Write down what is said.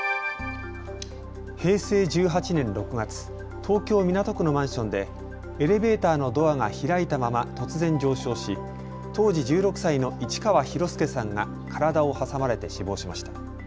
平成１８年６月、東京港区のマンションでエレベーターのドアが開いたまま突然上昇し、当時１６歳の市川大輔さんが体を挟まれて死亡しました。